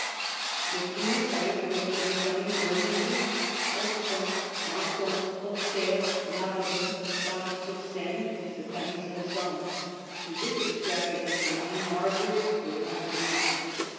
The King of France was to resign Burgundy, Auxonne, Macon, Auxerre, La Brie, Bar sur Seine, to the banks of the Somme. To this extravagant demand Margaret would not agree.